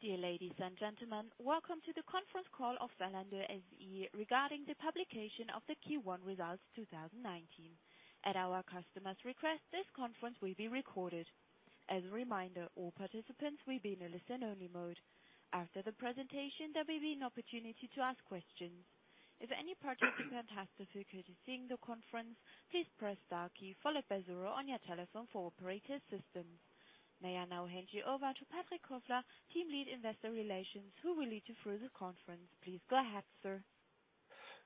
Dear ladies and gentlemen, welcome to the conference call of Zalando SE regarding the publication of the Q1 results 2019. At our customers' request, this conference will be recorded. As a reminder, all participants will be in a listen-only mode. After the presentation, there will be an opportunity to ask questions. If any participant has difficulty seeing the conference, please press star key followed by zero on your telephone for operator assistance. May I now hand you over to Patrick Kofler, Team Lead Investor Relations, who will lead you through the conference. Please go ahead, sir.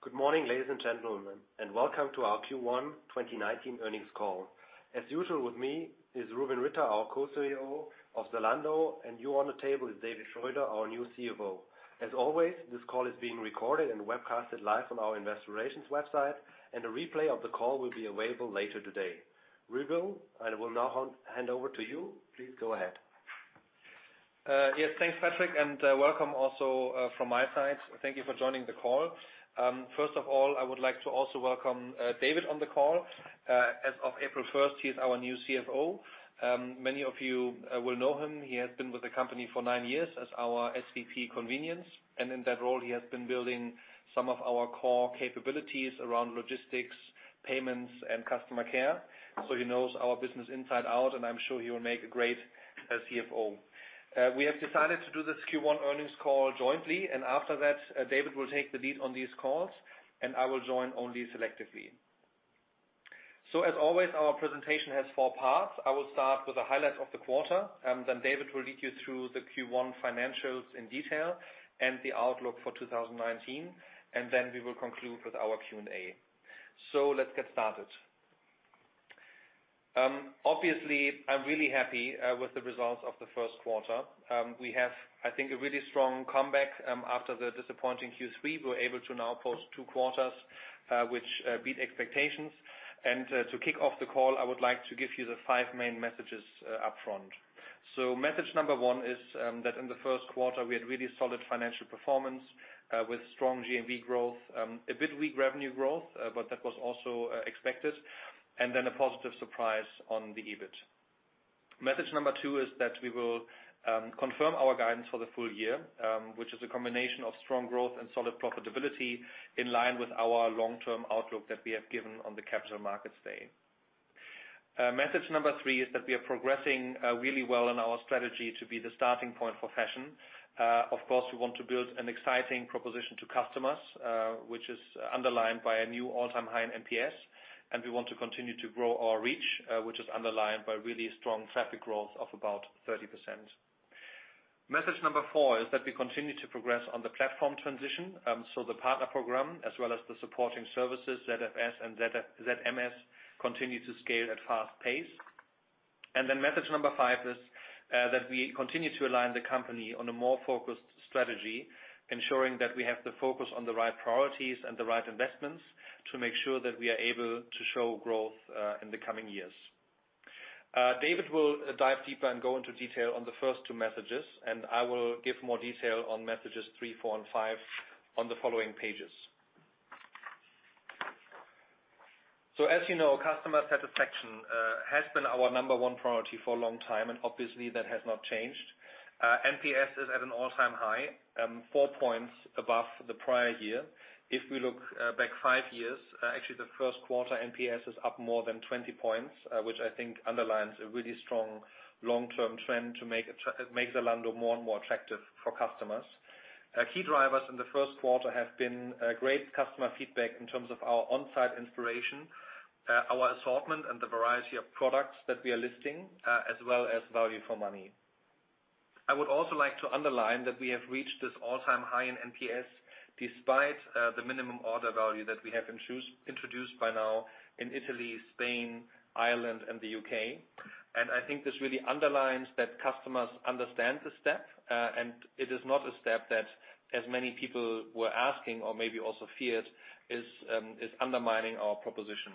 Good morning, ladies and gentlemen, welcome to our Q1 2019 earnings call. As usual with me is Rubin Ritter, our Co-CEO of Zalando. New on the table is David Schröder, our new CFO. As always, this call is being recorded and webcasted live on our investor relations website. A replay of the call will be available later today. Rubin, I will now hand over to you. Please go ahead. Thanks, Patrick, welcome also from my side. Thank you for joining the call. First of all, I would like to also welcome David on the call. As of April 1st, he is our new CFO. Many of you will know him. He has been with the company for nine years as our SVP convenience, and in that role, he has been building some of our core capabilities around logistics, payments, and customer care. He knows our business inside out, and I'm sure he will make a great CFO. We have decided to do this Q1 earnings call jointly. After that, David will take the lead on these calls, and I will join only selectively. As always, our presentation has four parts. I will start with the highlights of the quarter. David will lead you through the Q1 financials in detail and the outlook for 2019. We will conclude with our Q&A. Let's get started. Obviously, I'm really happy with the results of the first quarter. We have, I think, a really strong comeback after the disappointing Q3. We are able to now post two quarters which beat expectations. To kick off the call, I would like to give you the five main messages up front. Message number 1 is that in the first quarter, we had really solid financial performance with strong GMV growth, a bit weak revenue growth. That was also expected, a positive surprise on the EBIT. Message number 2 is that we will confirm our guidance for the full year, which is a combination of strong growth and solid profitability in line with our long-term outlook that we have given on the Capital Markets Day. Message number 3 is that we are progressing really well on our strategy to be the starting point for fashion. Of course, we want to build an exciting proposition to customers, which is underlined by a new all-time high in NPS, and we want to continue to grow our reach, which is underlined by really strong traffic growth of about 30%. Message number 4 is that we continue to progress on the platform transition, so the partner program, as well as the supporting services, ZFS and ZMS, continue to scale at a fast pace. Message number 5 is that we continue to align the company on a more focused strategy, ensuring that we have the focus on the right priorities and the right investments to make sure that we are able to show growth in the coming years. David will dive deeper and go into detail on the first two messages, and I will give more detail on messages 3, 4, and 5 on the following pages. As you know, customer satisfaction has been our number 1 priority for a long time, and obviously, that has not changed. NPS is at an all-time high, four points above the prior year. If we look back five years, actually the first quarter NPS is up more than 20 points, which I think underlines a really strong long-term trend to make Zalando more and more attractive for customers. Key drivers in the first quarter have been great customer feedback in terms of our on-site inspiration, our assortment and the variety of products that we are listing, as well as value for money. I would also like to underline that we have reached this all-time high in NPS despite the minimum order value that we have introduced by now in Italy, Spain, Ireland, and the U.K. I think this really underlines that customers understand the step, and it is not a step that as many people were asking or maybe also feared, is undermining our proposition.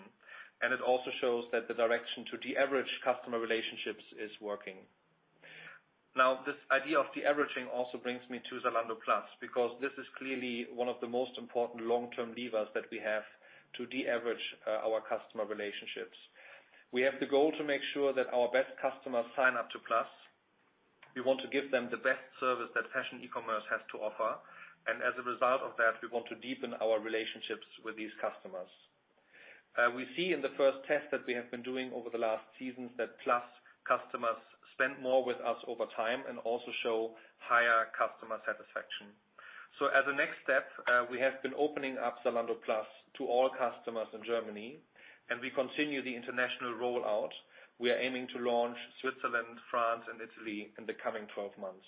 It also shows that the direction to de-average customer relationships is working. This idea of de-averaging also brings me to Zalando Plus, because this is clearly one of the most important long-term levers that we have to de-average our customer relationships. We have the goal to make sure that our best customers sign up to Plus. We want to give them the best service that fashion e-commerce has to offer. As a result of that, we want to deepen our relationships with these customers. We see in the first test that we have been doing over the last seasons that Plus customers spend more with us over time and also show higher customer satisfaction. As a next step, we have been opening up Zalando Plus to all customers in Germany, and we continue the international rollout. We are aiming to launch Switzerland, France, and Italy in the coming 12 months.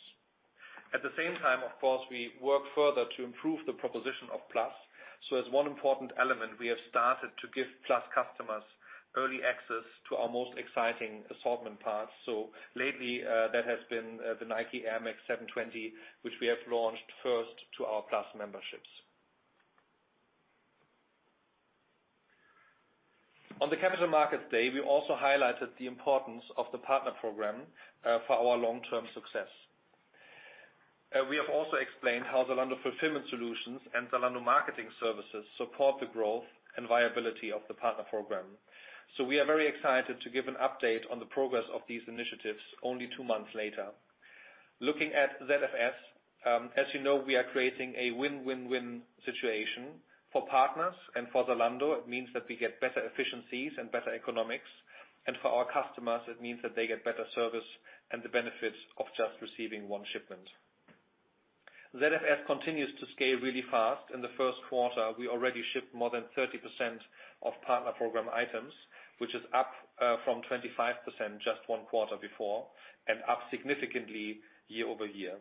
At the same time, of course, we work further to improve the proposition of Plus. As one important element, we have started to give Plus customers early access to our most exciting assortment parts. Lately, that has been the Nike Air Max 720, which we have launched first to our Plus memberships. On the Capital Markets Day, we also highlighted the importance of the partner program for our long-term success. We have also explained how Zalando Fulfillment Solutions and Zalando Marketing Services support the growth and viability of the partner program. We are very excited to give an update on the progress of these initiatives only two months later. Looking at ZFS, as you know, we are creating a win-win-win situation for partners and for Zalando. It means that we get better efficiencies and better economics, and for our customers, it means that they get better service and the benefits of just receiving one shipment. ZFS continues to scale really fast. In the first quarter, we already shipped more than 30% of partner program items, which is up from 25% just one quarter before, and up significantly year-over-year.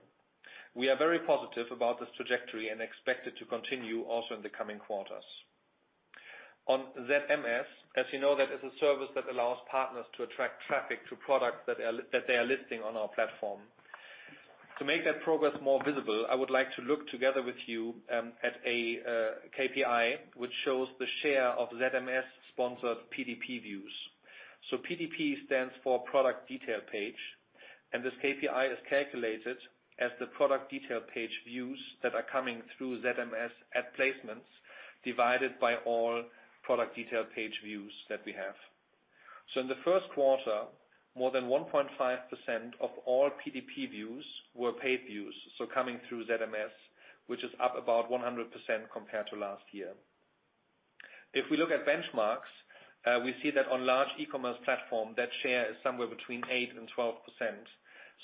We are very positive about this trajectory and expect it to continue also in the coming quarters. On ZMS, as you know, that is a service that allows partners to attract traffic to products that they are listing on our platform. To make that progress more visible, I would like to look together with you at a KPI, which shows the share of ZMS-sponsored PDP views. PDP stands for product detail page, and this KPI is calculated as the product detail page views that are coming through ZMS ad placements divided by all product detail page views that we have. In the first quarter, more than 1.5% of all PDP views were paid views. Coming through ZMS, which is up about 100% compared to last year. If we look at benchmarks, we see that on large e-commerce platform, that share is somewhere between 8%-12%.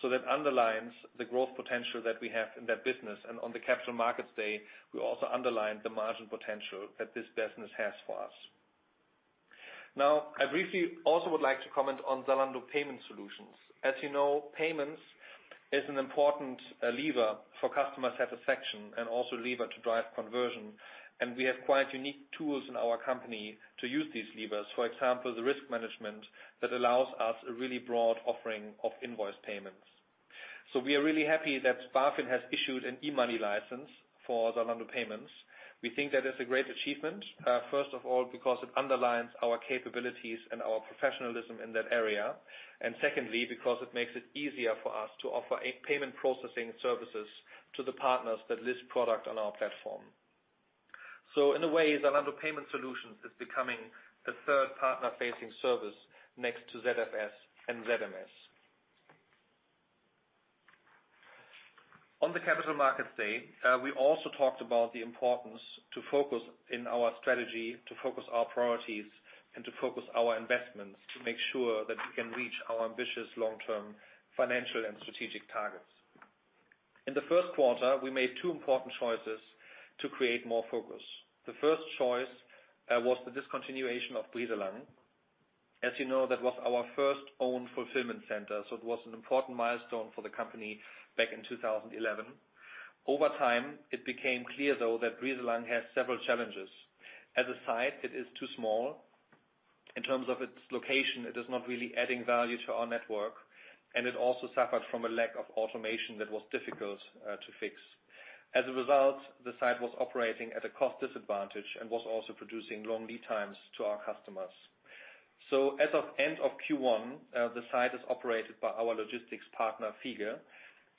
That underlines the growth potential that we have in that business. On the Capital Markets Day, we also underlined the margin potential that this business has for us. I briefly also would like to comment on Zalando Payments. As you know, payments is an important lever for customer satisfaction and also lever to drive conversion. We have quite unique tools in our company to use these levers. For example, the risk management that allows us a really broad offering of invoice payments. We are really happy that BaFin has issued an e-money license for Zalando Payments. We think that is a great achievement, first of all, because it underlines our capabilities and our professionalism in that area, and secondly, because it makes it easier for us to offer a payment processing services to the partners that list product on our platform. In a way, Zalando Payments is becoming the third partner-facing service next to ZFS and ZMS. On the Capital Markets Day, we also talked about the importance to focus in our strategy, to focus our priorities, and to focus our investments to make sure that we can reach our ambitious long-term financial and strategic targets. In the first quarter, we made two important choices to create more focus. The first choice was the discontinuation of Brieselang. As you know, that was our first own fulfillment center, so it was an important milestone for the company back in 2011. Over time, it became clear though, that Brieselang has several challenges. As a site, it is too small. In terms of its location, it is not really adding value to our network, and it also suffered from a lack of automation that was difficult to fix. As a result, the site was operating at a cost disadvantage and was also producing long lead times to our customers. As of end of Q1, the site is operated by our logistics partner, Fiege,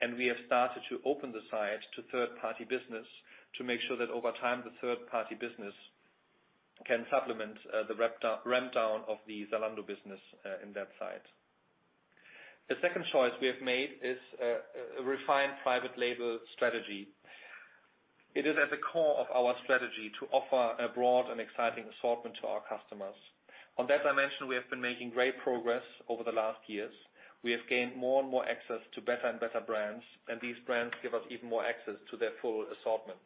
and we have started to open the site to third-party business to make sure that over time, the third-party business can supplement the ramp down of the Zalando business in that site. The second choice we have made is a refined private label strategy. It is at the core of our strategy to offer a broad and exciting assortment to our customers. On that dimension, we have been making great progress over the last years. We have gained more and more access to better and better brands, and these brands give us even more access to their full assortment.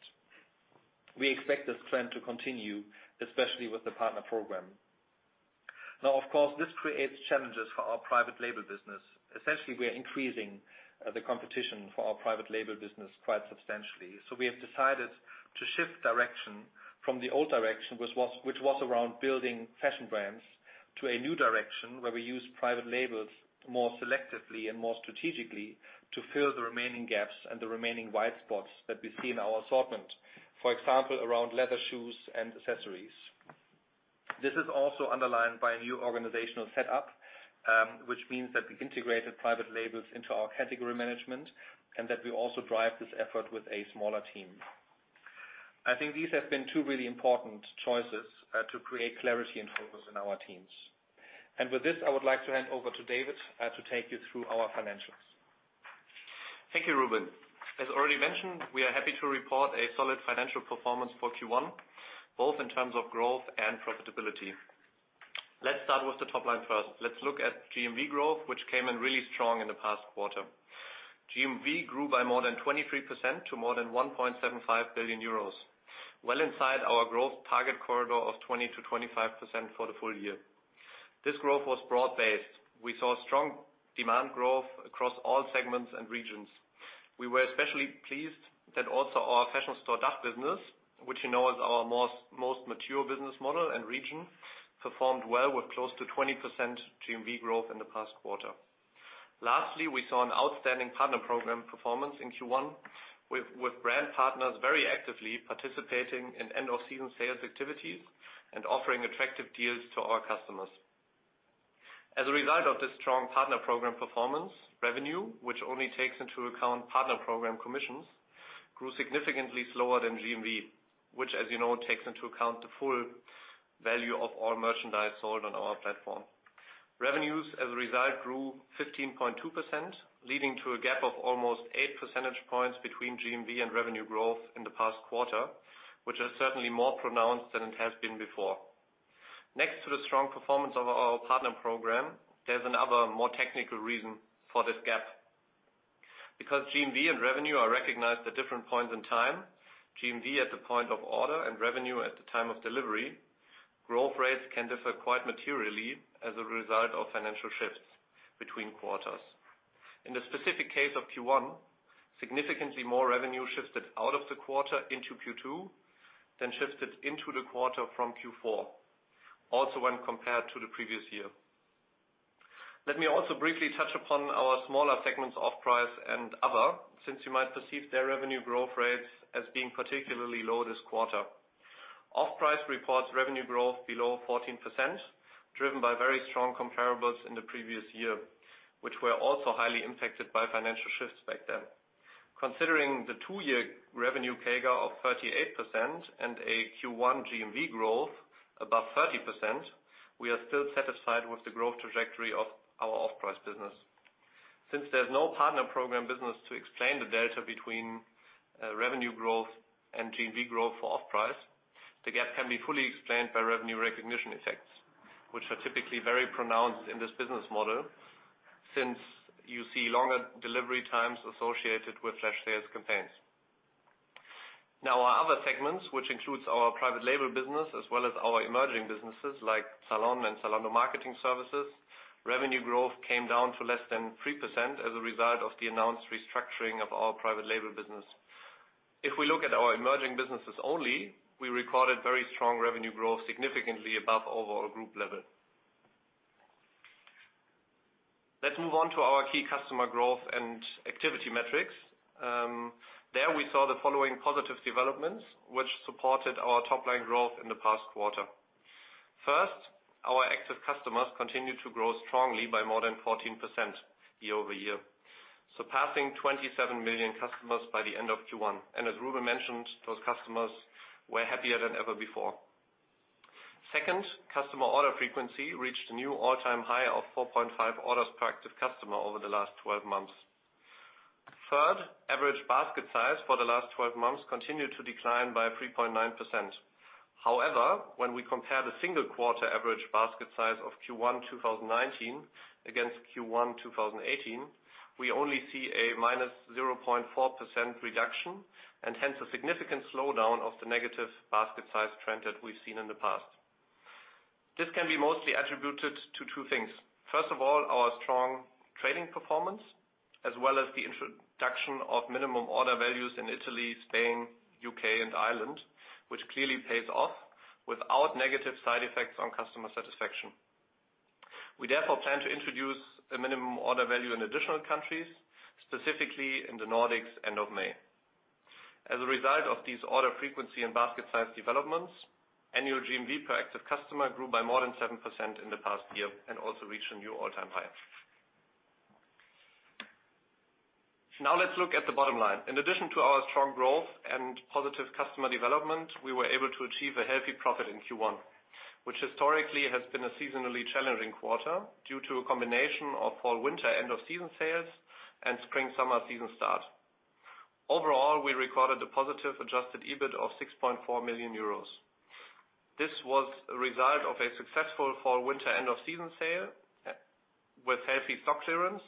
We expect this trend to continue, especially with the partner program. Of course, this creates challenges for our private label business. Essentially, we are increasing the competition for our private label business quite substantially. We have decided to shift direction from the old direction, which was around building fashion brands, to a new direction where we use private labels more selectively and more strategically to fill the remaining gaps and the remaining wide spots that we see in our assortment. For example, around leather shoes and accessories. This is also underlined by a new organizational setup, which means that we integrated private labels into our category management, and that we also drive this effort with a smaller team. I think these have been two really important choices to create clarity and focus in our teams. With this, I would like to hand over to David to take you through our financials. Thank you, Rubin. As already mentioned, we are happy to report a solid financial performance for Q1, both in terms of growth and profitability. Let's start with the top line first. Let's look at GMV growth, which came in really strong in the past quarter. GMV grew by more than 23% to more than 1.75 billion euros. Well inside our growth target corridor of 20%-25% for the full year. This growth was broad-based. We saw strong demand growth across all segments and regions. We were especially pleased that also our fashion store DACH business, which you know is our most mature business model and region, performed well with close to 20% GMV growth in the past quarter. Lastly, we saw an outstanding partner program performance in Q1 with brand partners very actively participating in end-of-season sales activities and offering attractive deals to our customers. As a result of this strong partner program performance, revenue, which only takes into account partner program commissions, grew significantly slower than GMV, which as you know, takes into account the full value of all merchandise sold on our platform. Revenues, as a result, grew 15.2%, leading to a gap of almost 8 percentage points between GMV and revenue growth in the past quarter, which is certainly more pronounced than it has been before. Next to the strong performance of our partner program, there's another more technical reason for this gap. Because GMV and revenue are recognized at different points in time, GMV at the point of order and revenue at the time of delivery, growth rates can differ quite materially as a result of financial shifts between quarters. In the specific case of Q1, significantly more revenue shifted out of the quarter into Q2 than shifted into the quarter from Q4, also when compared to the previous year. Let me also briefly touch upon our smaller segments, off price and other, since you might perceive their revenue growth rates as being particularly low this quarter. Off price reports revenue growth below 14%, driven by very strong comparables in the previous year, which were also highly impacted by financial shifts back then. Considering the two-year revenue CAGR of 38% and a Q1 GMV growth above 30%, we are still satisfied with the growth trajectory of our off-price business. Since there's no partner program business to explain the delta between revenue growth and GMV growth for off price, the gap can be fully explained by revenue recognition effects, which are typically very pronounced in this business model, since you see longer delivery times associated with flash sales campaigns. Our other segments, which includes our private label business as well as our emerging businesses like Zalando Lounge and Zalando Marketing Services, revenue growth came down to less than 3% as a result of the announced restructuring of our private label business. If we look at our emerging businesses only, we recorded very strong revenue growth significantly above overall group level. Let's move on to our key customer growth and activity metrics. There we saw the following positive developments, which supported our top-line growth in the past quarter. First, our active customers continued to grow strongly by more than 14% year-over-year, surpassing 27 million customers by the end of Q1. As Rubin mentioned, those customers were happier than ever before. Second, customer order frequency reached a new all-time high of 4.5 orders per active customer over the last 12 months. Third, average basket size for the last 12 months continued to decline by 3.9%. However, when we compare the single quarter average basket size of Q1 2019 against Q1 2018, we only see a -0.4% reduction, and hence a significant slowdown of the negative basket size trend that we've seen in the past. This can be mostly attributed to two things. First of all, our strong trading performance, as well as the introduction of minimum order values in Italy, Spain, U.K. and Ireland, which clearly pays off without negative side effects on customer satisfaction. We therefore plan to introduce a minimum order value in additional countries, specifically in the Nordics end of May. As a result of these order frequency and basket size developments, annual GMV per active customer grew by more than 7% in the past year and also reached a new all-time high. Now let's look at the bottom line. In addition to our strong growth and positive customer development, we were able to achieve a healthy profit in Q1, which historically has been a seasonally challenging quarter due to a combination of fall/winter end of season sales and spring/summer season start. Overall, we recorded a positive adjusted EBIT of 6.4 million euros. This was a result of a successful fall/winter end of season sale with healthy stock clearance,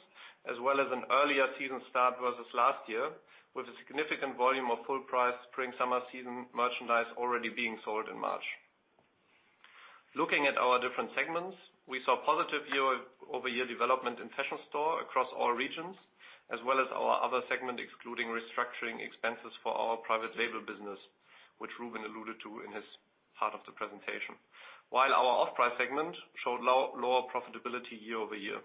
as well as an earlier season start versus last year, with a significant volume of full price spring/summer season merchandise already being sold in March. Looking at our different segments, we saw positive year-over-year development in fashion store across all regions, as well as our other segment, excluding restructuring expenses for our private label business, which Rubin alluded to in his part of the presentation. While our off-price segment showed lower profitability year-over-year.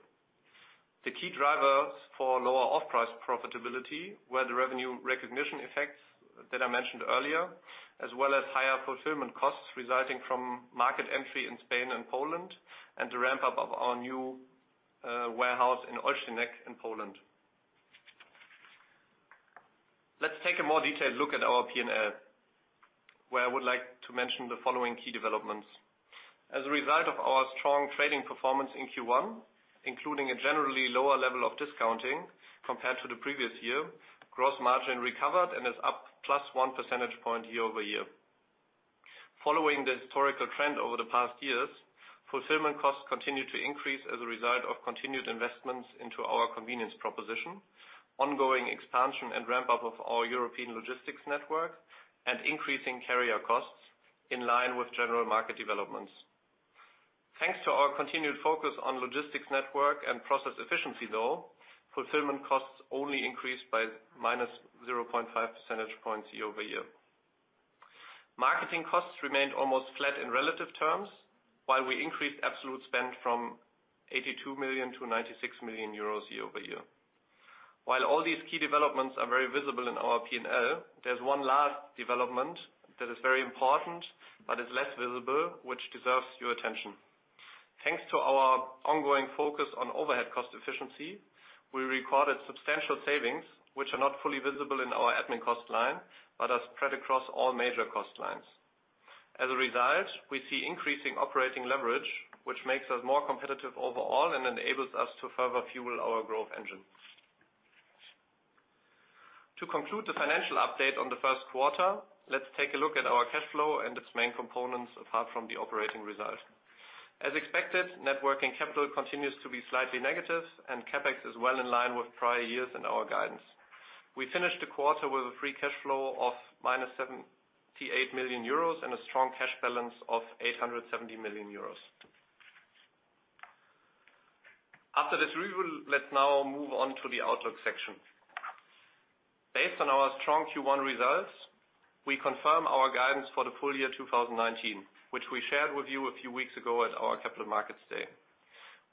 The key drivers for lower off-price profitability were the revenue recognition effects that I mentioned earlier, as well as higher fulfillment costs resulting from market entry in Spain and Poland, and the ramp-up of our new warehouse in Olsztynek in Poland. Let's take a more detailed look at our P&L, where I would like to mention the following key developments. As a result of our strong trading performance in Q1, including a generally lower level of discounting compared to the previous year, gross margin recovered and is up +1 percentage point year-over-year. Following the historical trend over the past years, fulfillment costs continued to increase as a result of continued investments into our convenience proposition, ongoing expansion and ramp-up of our European logistics network, and increasing carrier costs in line with general market developments. Thanks to our continued focus on logistics network and process efficiency, though, fulfillment costs only increased by -0.5 percentage points year-over-year. Marketing costs remained almost flat in relative terms, while we increased absolute spend from €82 million to €96 million year-over-year. While all these key developments are very visible in our P&L, there's one large development that is very important, but is less visible, which deserves your attention. Thanks to our ongoing focus on overhead cost efficiency, we recorded substantial savings, which are not fully visible in our admin cost line, but are spread across all major cost lines. As a result, we see increasing operating leverage, which makes us more competitive overall and enables us to further fuel our growth engine. To conclude the financial update on the first quarter, let's take a look at our cash flow and its main components apart from the operating result. As expected, net working capital continues to be slightly negative, and CapEx is well in line with prior years and our guidance. We finished the quarter with a free cash flow of -78 million euros and a strong cash balance of 870 million euros. After this review, let's now move on to the outlook section. Based on our strong Q1 results, we confirm our guidance for the full year 2019, which we shared with you a few weeks ago at our Capital Markets Day.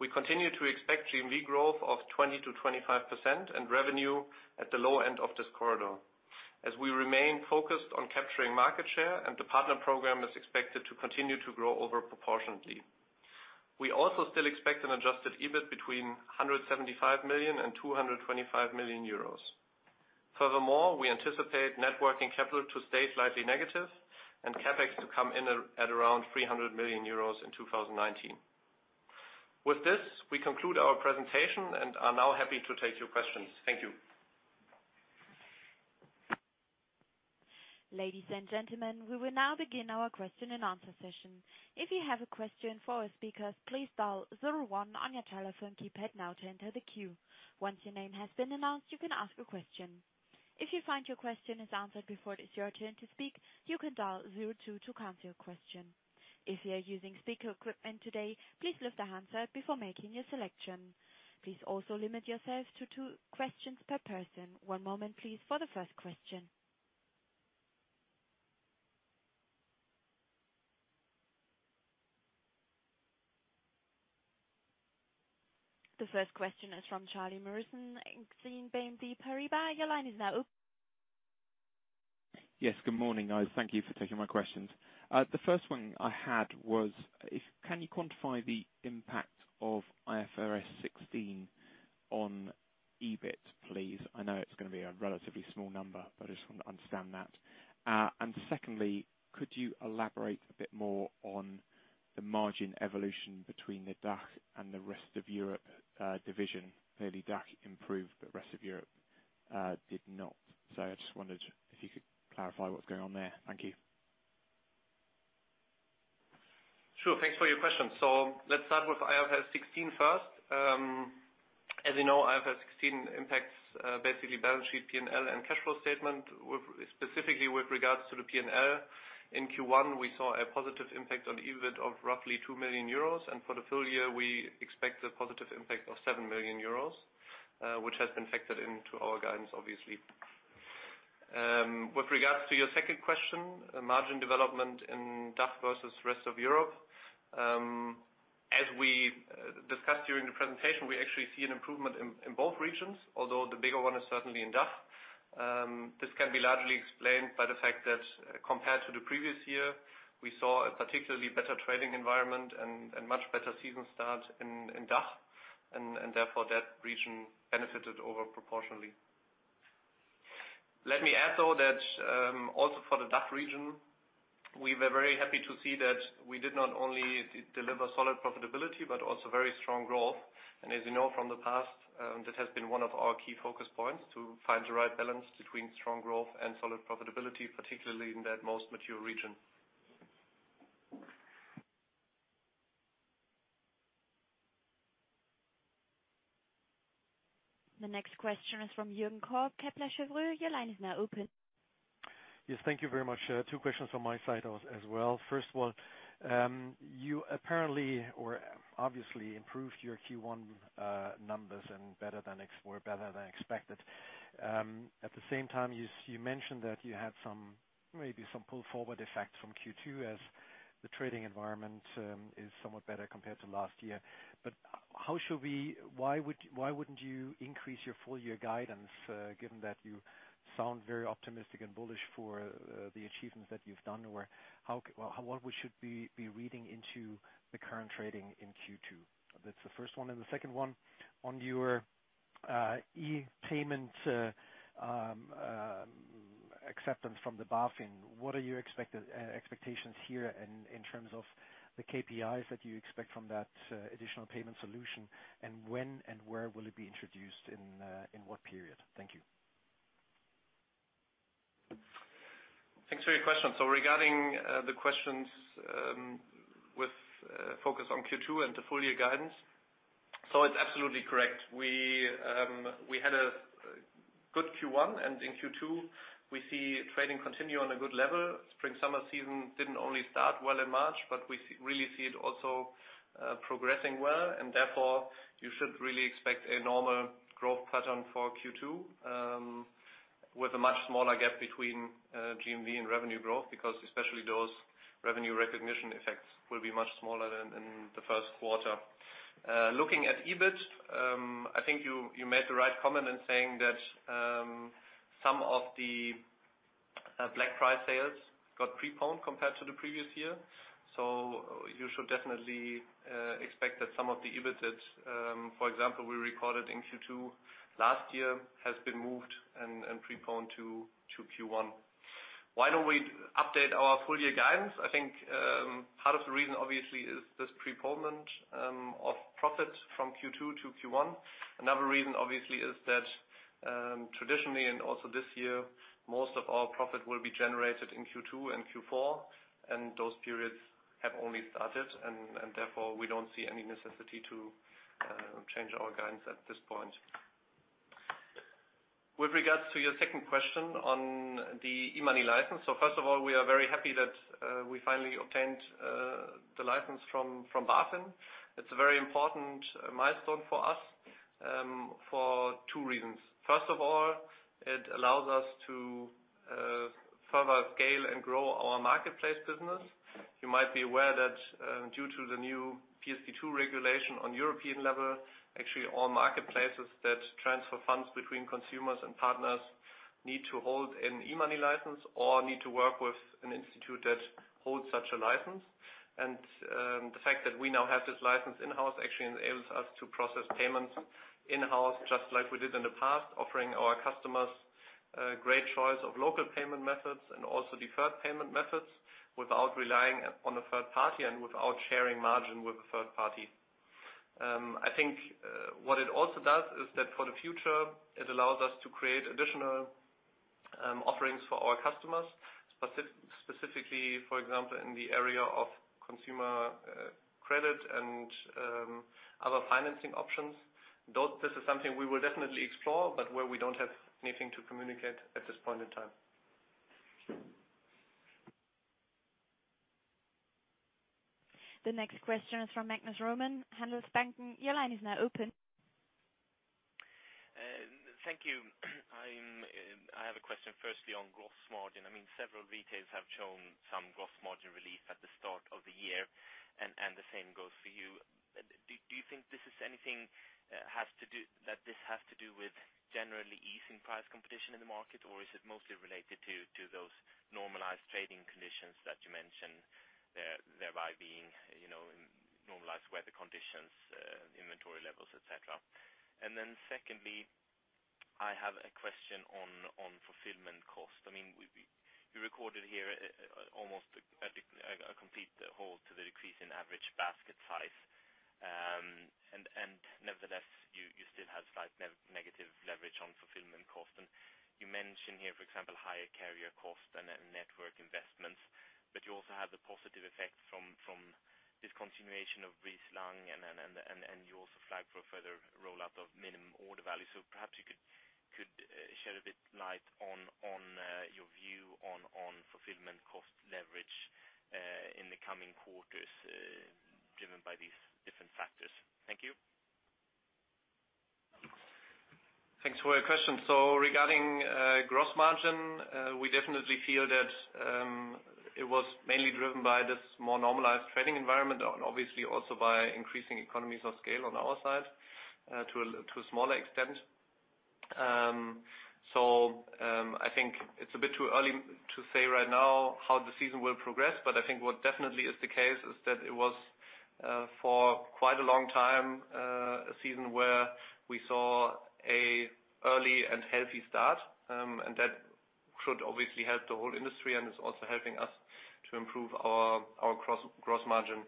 We continue to expect GMV growth of 20%-25% and revenue at the low end of this corridor. As we remain focused on capturing market share and the partner program is expected to continue to grow over proportionately. We also still expect an adjusted EBIT between 175 million and 225 million euros. Furthermore, we anticipate net working capital to stay slightly negative and CapEx to come in at around 300 million euros in 2019. With this, we conclude our presentation and are now happy to take your questions. Thank you. Ladies and gentlemen, we will now begin our question-and-answer session. If you have a question for our speakers, please dial zero one on your telephone keypad now to enter the queue. Once your name has been announced, you can ask a question. If you find your question is answered before it is your turn to speak, you can dial zero two to cancel your question. If you are using speaker equipment today, please lift the handset before making your selection. Please also limit yourselves to two questions per person. One moment, please, for the first question. The first question is from Charlie Morrison, Exane BNP Paribas. Your line is now open. Yes, good morning, guys. Thank you for taking my questions. The first one I had was, can you quantify the impact of IFRS 16 on EBIT, please? I know it's going to be a relatively small number, but I just want to understand that. Secondly, could you elaborate a bit more on the margin evolution between the DACH and the rest of Europe division? Clearly, DACH improved, but rest of Europe did not. I just wondered if you could clarify what's going on there. Thank you. Sure. Thanks for your question. Let's start with IFRS 16 first. As you know, IFRS 16 impacts basically balance sheet P&L and cash flow statement, specifically with regards to the P&L. In Q1, we saw a positive impact on the EBIT of roughly 2 million euros. For the full year, we expect a positive impact of 7 million euros, which has been factored into our guidance, obviously. With regards to your second question, margin development in DACH versus rest of Europe. As we discussed during the presentation, we actually see an improvement in both regions, although the bigger one is certainly in DACH. This can be largely explained by the fact that compared to the previous year, we saw a particularly better trading environment and much better season start in DACH, and therefore that region benefited over proportionally. Let me add, though, that also for the DACH region, we were very happy to see that we did not only deliver solid profitability, but also very strong growth. As you know from the past, that has been one of our key focus points to find the right balance between strong growth and solid profitability, particularly in that most mature region. The next question is from Jürgen Kolb, Kepler Cheuvreux. Your line is now open. Yes, thank you very much. Two questions from my side as well. First one, you apparently or obviously improved your Q1 numbers and better than expected. At the same time, you mentioned that you had maybe some pull forward effect from Q2 as the trading environment is somewhat better compared to last year. Why wouldn't you increase your full year guidance, given that you sound very optimistic and bullish for the achievements that you've done? Or what we should be reading into the current trading in Q2? That's the first one. The second one on your e-payment acceptance from the BaFin, what are your expectations here in terms of the KPIs that you expect from that additional payment solution? When and where will it be introduced, in what period? Thank you. Thanks for your question. Regarding the questions with focus on Q2 and the full-year guidance. It's absolutely correct. We had a good Q1. In Q2, we see trading continue on a good level. Spring, summer season didn't only start well in March, but we really see it also progressing well. Therefore you should really expect a normal growth pattern for Q2, with a much smaller gap between GMV and revenue growth, because especially those revenue recognition effects will be much smaller than in the first quarter. Looking at EBIT, I think you made the right comment in saying that some of the Black Friday sales got preponed compared to the previous year. You should definitely expect that some of the EBIT that, for example, we recorded in Q2 last year, has been moved and preponed to Q1. Why don't we update our full-year guidance? I think part of the reason, obviously, is this preponement of profit from Q2 to Q1. Another reason, obviously, is that traditionally and also this year, most of our profit will be generated in Q2 and Q4, and those periods have only started and therefore we don't see any necessity to change our guidance at this point. With regards to your second question on the e-money license. First of all, we are very happy that we finally obtained the license from BaFin. It's a very important milestone for us for two reasons. First of all, it allows us to further scale and grow our marketplace business. You might be aware that due to the new PSD2 regulation on European level, actually all marketplaces that transfer funds between consumers and partners need to hold an e-money license or need to work with an institute that holds such a license. The fact that we now have this license in-house actually enables us to process payments in-house, just like we did in the past, offering our customers a great choice of local payment methods and also deferred payment methods without relying on a third party and without sharing margin with a third party. I think what it also does is that for the future, it allows us to create additional offerings for our customers, specifically, for example, in the area of consumer credit and other financing options. This is something we will definitely explore, but where we don't have anything to communicate at this point in time. The next question is from Magnus Råman, Handelsbanken. Your line is now open. Thank you. I have a question firstly on gross margin. Several retailers have shown some gross margin relief at the start of the year, and the same goes for you. Do you think that this has to do with generally easing price competition in the market, or is it mostly related to those normalized trading conditions that you mentioned, thereby being normalized weather conditions, inventory levels, et cetera? Secondly, I have a question on fulfillment cost. You recorded here almost a complete halt to the decrease in average basket size. Nevertheless, you still have slight negative leverage on fulfillment cost. You mention here, for example, higher carrier cost and network investments, but you also have the positive effect from discontinuation of Brieselang, and you also flagged for a further rollout of minimum order value. Perhaps you could shed a bit light on your view on fulfillment cost leverage in the coming quarters driven by these different factors. Thank you. Thanks for your question. Regarding gross margin, we definitely feel that it was mainly driven by this more normalized trading environment and obviously also by increasing economies of scale on our side to a smaller extent. I think it's a bit too early to say right now how the season will progress, but I think what definitely is the case is that it was, for quite a long time, a season where we saw an early and healthy start, and that should obviously help the whole industry and is also helping us to improve our gross margin.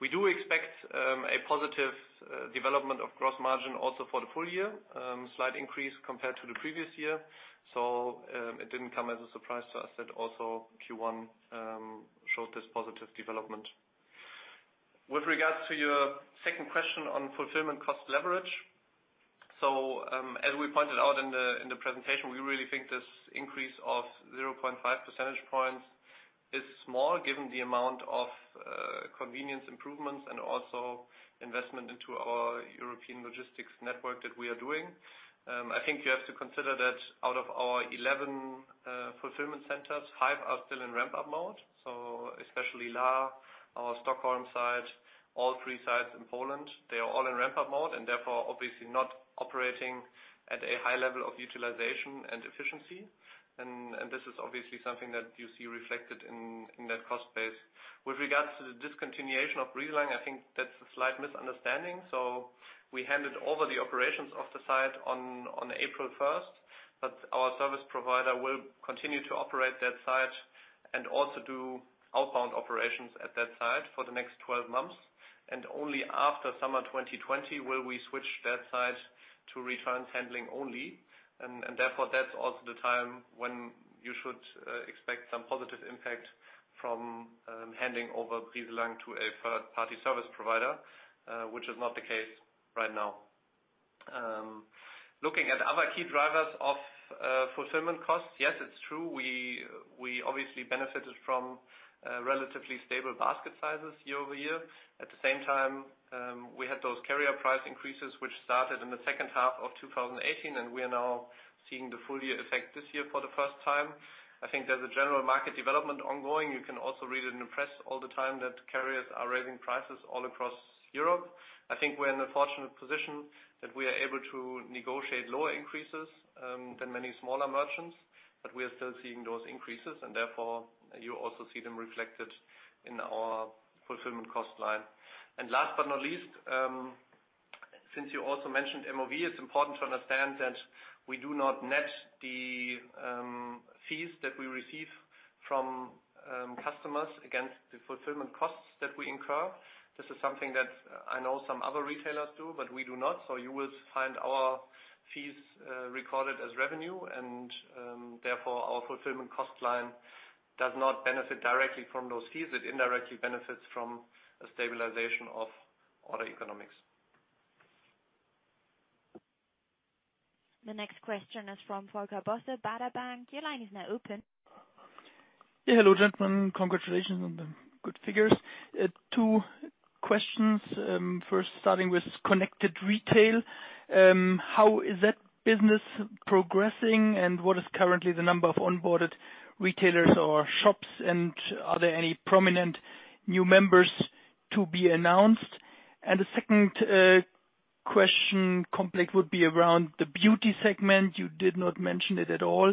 We do expect a positive development of gross margin also for the full year, slight increase compared to the previous year. It didn't come as a surprise to us that also Q1 showed this positive development. With regards to your second question on fulfillment cost leverage. As we pointed out in the presentation, we really think this increase of 0.5 percentage points is small given the amount of convenience improvements and also investment into our European logistics network that we are doing. I think you have to consider that out of our 11 fulfillment centers, five are still in ramp-up mode. Especially Lahr, our Stockholm site, all three sites in Poland, they are all in ramp-up mode and therefore obviously not operating at a high level of utilization and efficiency. This is obviously something that you see reflected in that cost base. With regards to the discontinuation of Brieselang, I think that's a slight misunderstanding. We handed over the operations of the site on April 1st, but our service provider will continue to operate that site and also do outbound operations at that site for the next 12 months. Only after summer 2020 will we switch that site to returns handling only. Therefore, that's also the time when you should expect some positive impact from handing over Brieselang to a third-party service provider, which is not the case right now. Looking at other key drivers of fulfillment costs, yes, it's true we obviously benefited from relatively stable basket sizes year-over-year. At the same time, we had those carrier price increases, which started in the second half of 2018, and we are now seeing the full year effect this year for the first time. I think there's a general market development ongoing. You can also read in the press all the time that carriers are raising prices all across Europe. I think we're in the fortunate position that we are able to negotiate lower increases than many smaller merchants, but we are still seeing those increases, and therefore, you also see them reflected in our fulfillment cost line. Last but not least, since you also mentioned MOV, it's important to understand that we do not net the fees that we receive from customers against the fulfillment costs that we incur. This is something that I know some other retailers do, but we do not. You will find our fees recorded as revenue and, therefore, our fulfillment cost line does not benefit directly from those fees. It indirectly benefits from a stabilization of order economics. The next question is from Volker Bosse, Baader Bank. Your line is now open. Hello, gentlemen. Congratulations on the good figures. Two questions. First, starting with connected retail, how is that business progressing, and what is currently the number of onboarded retailers or shops, and are there any prominent new members to be announced? The second question complex would be around the beauty segment. You did not mention it at all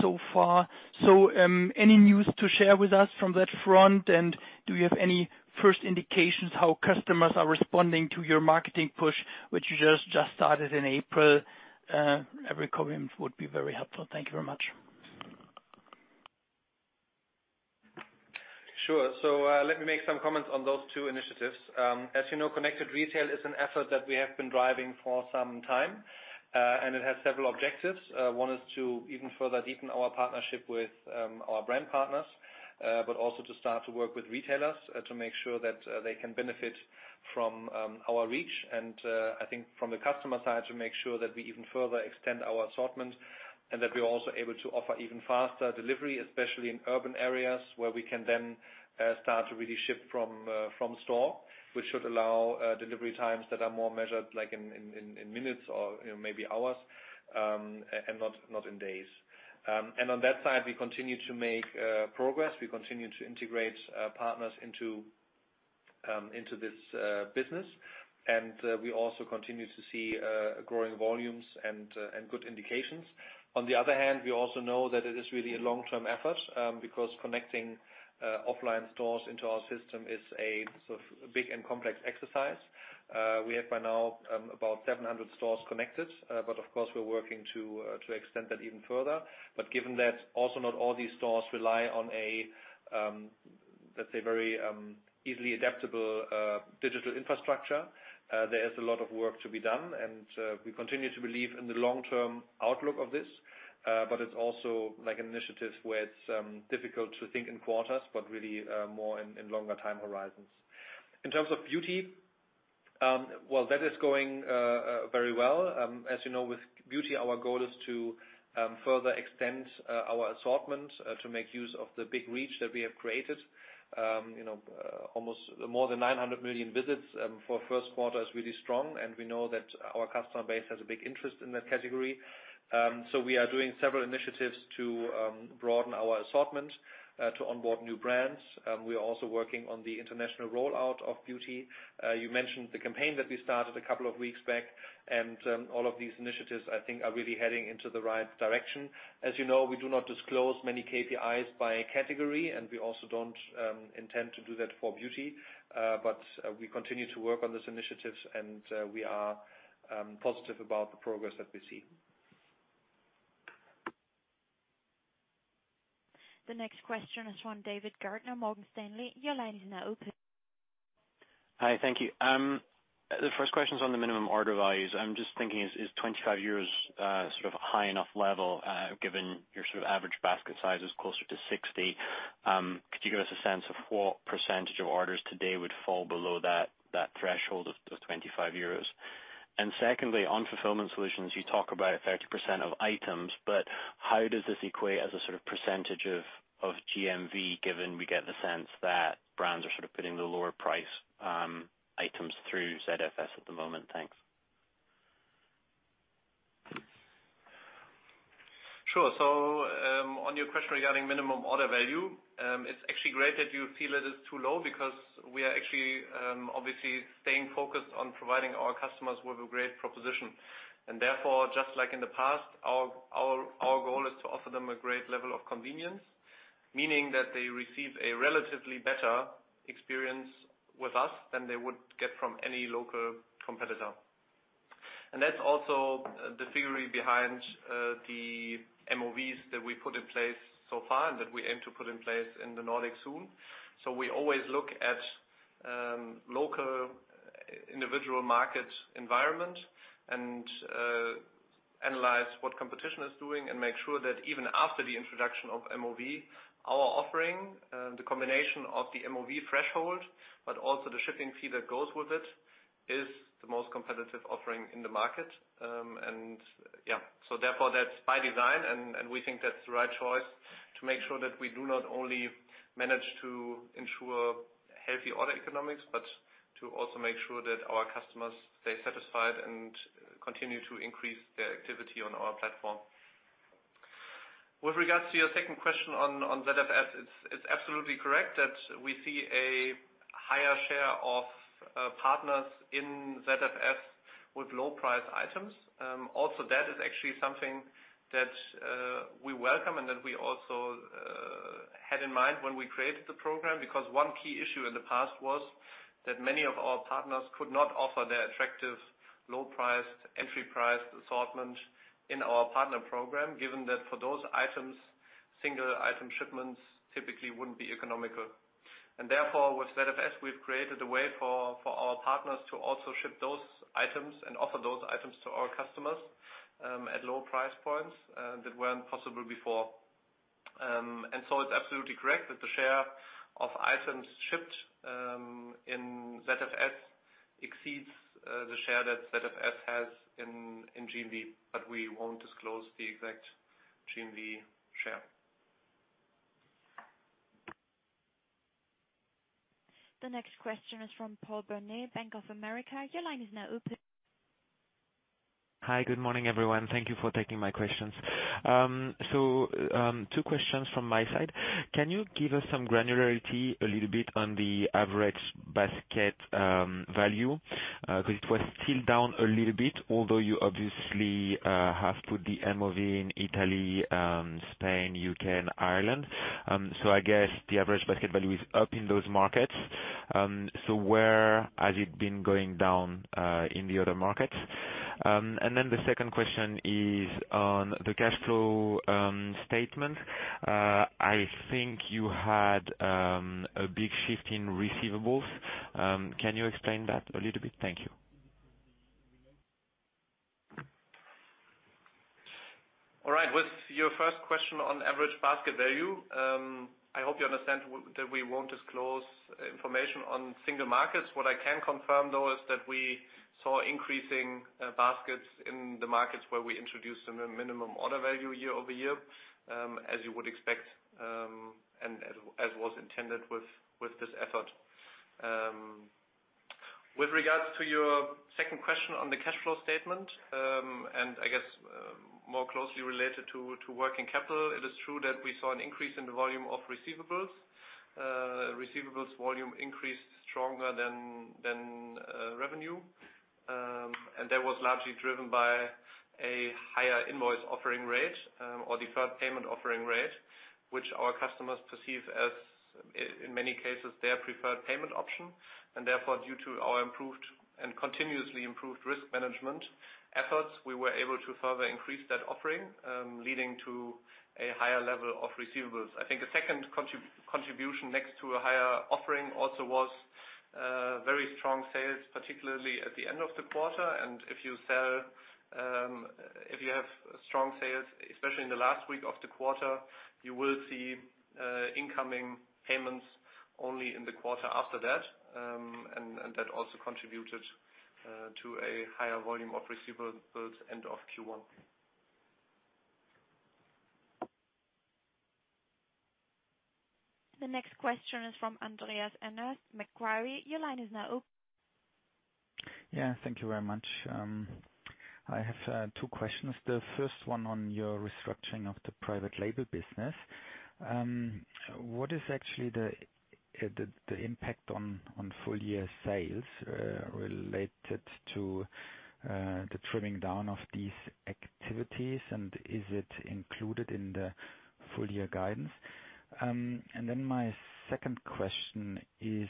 so far. Any news to share with us from that front? Do you have any first indications how customers are responding to your marketing push, which you just started in April? Every comment would be very helpful. Thank you very much. Sure. Let me make some comments on those two initiatives. As you know, connected retail is an effort that we have been driving for some time, and it has several objectives. One is to even further deepen our partnership with our brand partners, but also to start to work with retailers to make sure that they can benefit from our reach and, I think from the customer side, to make sure that we even further extend our assortment and that we're also able to offer even faster delivery, especially in urban areas where we can then start to really ship from store, which should allow delivery times that are more measured, like in minutes or maybe hours, and not in days. On that side, we continue to make progress. We continue to integrate partners into this business, and we also continue to see growing volumes and good indications. On the other hand, we also know that it is really a long-term effort, because connecting offline stores into our system is a big and complex exercise. We have by now about 700 stores connected. Of course, we're working to extend that even further. Given that also not all these stores rely on a, let's say, very easily adaptable digital infrastructure, there is a lot of work to be done and we continue to believe in the long-term outlook of this. It's also like an initiative where it's difficult to think in quarters, but really more in longer time horizons. In terms of beauty, well, that is going very well. As you know, with beauty, our goal is to further extend our assortment to make use of the big reach that we have created. More than 900 million visits for first quarter is really strong, and we know that our customer base has a big interest in that category. We are doing several initiatives to broaden our assortment, to onboard new brands. We are also working on the international rollout of beauty. You mentioned the campaign that we started a couple of weeks back, and all of these initiatives, I think, are really heading into the right direction. As you know, we do not disclose many KPIs by category, and we also don't intend to do that for beauty. We continue to work on these initiatives, and we are positive about the progress that we see. The next question is from David Gardner, Morgan Stanley. Your line is now open. Hi. Thank you. The first question is on the minimum order values. I'm just thinking, is 25 euros sort of a high enough level, given your sort of average basket size is closer to 60? Could you give us a sense of what percentage of orders today would fall below that threshold of 25 euros? Secondly, on fulfillment solutions, you talk about 30% of items, but how does this equate as a sort of percentage of GMV, given we get the sense that brands are sort of putting the lower price items through ZFS at the moment? Thanks. Sure. On your question regarding minimum order value, it's actually great that you feel it is too low because we are actually, obviously staying focused on providing our customers with a great proposition. Therefore, just like in the past, our goal is to offer them a great level of convenience, meaning that they receive a relatively better experience with us than they would get from any local competitor. That's also the theory behind the MOVs that we put in place so far and that we aim to put in place in the Nordic soon. We always look at local individual market environment and analyze what competition is doing and make sure that even after the introduction of MOV, our offering, the combination of the MOV threshold, but also the shipping fee that goes with it is the most competitive offering in the market. Therefore, that's by design, and we think that's the right choice to make sure that we do not only manage to ensure healthy order economics, but to also make sure that our customers stay satisfied and continue to increase their activity on our platform. With regards to your second question on ZFS, it's absolutely correct that we see a higher share of partners in ZFS with low price items. Also, that is actually something that we welcome and that we also had in mind when we created the program, because one key issue in the past was that many of our partners could not offer their attractive low-priced entry price assortment in our partner program, given that for those items, single item shipments typically wouldn't be economical. Therefore, with ZFS, we've created a way for our partners to also ship those items and offer those items to our customers, at low price points that weren't possible before. It's absolutely correct that the share of items shipped in ZFS exceeds the share that ZFS has in GMV, but we won't disclose the exact GMV share. The next question is from Paul Bernier, Bank of America. Your line is now open. Hi. Good morning, everyone. Thank you for taking my questions. Two questions from my side. Can you give us some granularity a little bit on the average basket value? Because it was still down a little bit, although you obviously have put the MOV in Italy, Spain, U.K., and Ireland. I guess the average basket value is up in those markets. Where has it been going down, in the other markets? The second question is on the cash flow statement. I think you had a big shift in receivables. Can you explain that a little bit? Thank you. All right. With your first question on average basket value, I hope you understand that we won't disclose information on single markets. What I can confirm, though, is that we saw increasing baskets in the markets where we introduced the minimum order value year-over-year, as you would expect, and as was intended with this effort. With regards to your second question on the cash flow statement, I guess more closely related to working capital, it is true that we saw an increase in the volume of receivables. Receivables volume increased stronger than revenue. That was largely driven by a higher invoice offering rate or deferred payment offering rate, which our customers perceive as, in many cases, their preferred payment option. Therefore, due to our improved and continuously improved risk management efforts, we were able to further increase that offering, leading to a higher level of receivables. I think a second contribution next to a higher offering also was very strong sales, particularly at the end of the quarter. If you have strong sales, especially in the last week of the quarter, you will see incoming payments only in the quarter after that, and that also contributed to a higher volume of receivables end of Q1. The next question is from Andreas Enners, Macquarie. Your line is now open. Yeah. Thank you very much. I have two questions. The first one on your restructuring of the private label business. What is actually the impact on full year sales, related to the trimming down of these activities, and is it included in the full year guidance? My second question is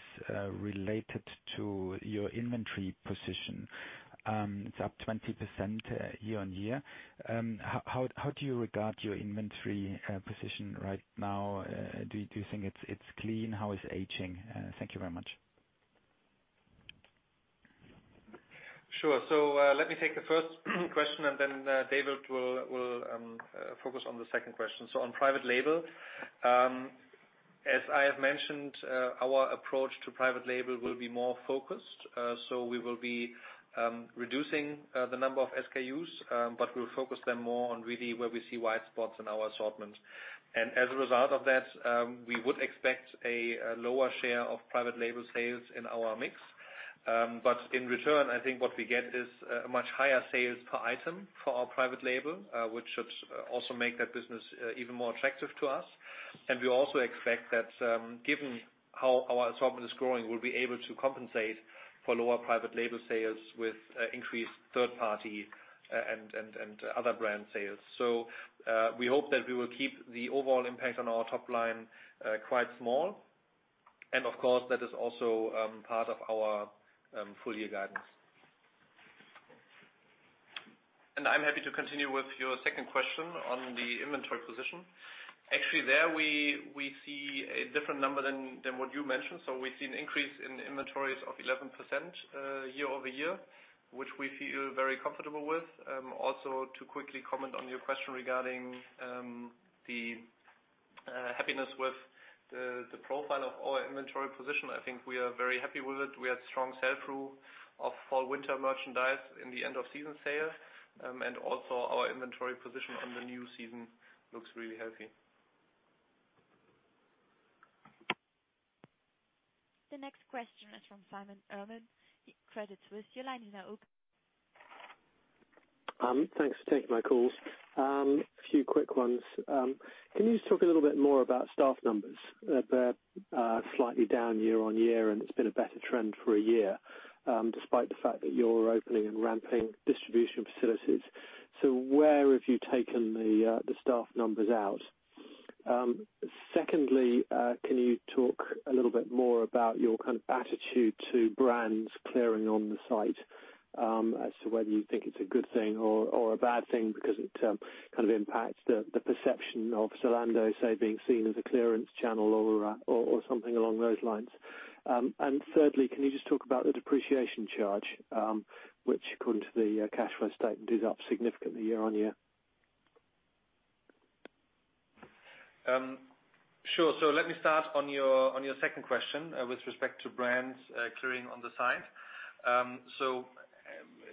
related to your inventory position. It's up 20% year-over-year. How do you regard your inventory position right now? Do you think it's clean? How is aging? Thank you very much. Sure. Let me take the first question. David will focus on the second question. On private label, as I have mentioned, our approach to private label will be more focused. We will be reducing the number of SKUs, but we'll focus them more on really where we see wide spots in our assortment. As a result of that, we would expect a lower share of private label sales in our mix. In return, I think what we get is a much higher sales per item for our private label, which should also make that business even more attractive to us. We also expect that, given how our assortment is growing, we'll be able to compensate for lower private label sales with increased third party and other brand sales. We hope that we will keep the overall impact on our top line quite small. Of course, that is also part of our full year guidance. I'm happy to continue with your second question on the inventory position. Actually, there we see a different number than what you mentioned. We see an increase in inventories of 11% year-over-year, which we feel very comfortable with. Also, to quickly comment on your question regarding the Happiness with the profile of our inventory position. I think we are very happy with it. We had strong sell-through of fall-winter merchandise in the end of season sale. Also our inventory position on the new season looks really healthy. The next question is from Simon Urban, Credit Suisse. Your line is now open. Thanks for taking my calls. A few quick ones. Can you just talk a little bit more about staff numbers? They're slightly down year-on-year, and it's been a better trend for a year, despite the fact that you're opening and ramping distribution facilities. Where have you taken the staff numbers out? Secondly, can you talk a little bit more about your attitude to brands clearing on the site, as to whether you think it's a good thing or a bad thing because it impacts the perception of Zalando, say, being seen as a clearance channel or something along those lines. Thirdly, can you just talk about the depreciation charge, which according to the cash flow statement is up significantly year-on-year? Sure. Let me start on your second question with respect to brands clearing on the site.